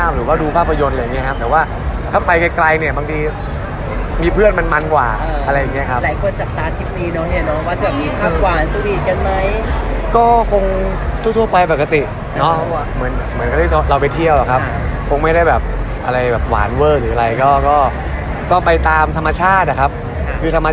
หรือธรรมชาติถ้ามันสวยผมว่ามันก็ภาพออกมามันก็น่าจะน่ารัก